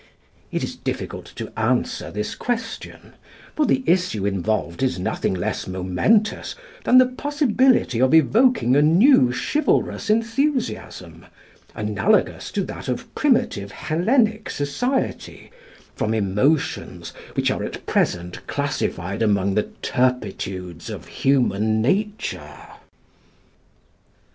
It is difficult to answer this question; for the issue involved is nothing less momentous than the possibility of evoking a new chivalrous enthusiasm, analogous to that of primitive Hellenic society, from emotions which are at present classified among the turpitudes of human nature.